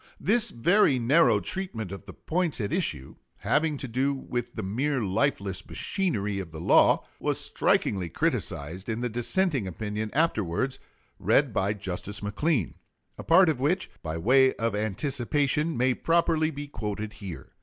This very narrow treatment of the points at issue, having to do with the mere lifeless machinery of the law, was strikingly criticised in the dissenting opinion afterwards read by Justice McLean, a part of which, by way of anticipation, may properly be quoted here.